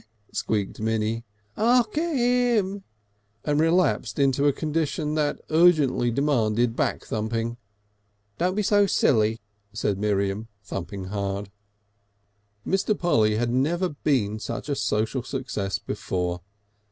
squealed Minnie. "Hark at 'im!" and relapsed into a condition that urgently demanded back thumping. "Don't be so silly," said Miriam, thumping hard. Mr. Polly had never been such a social success before.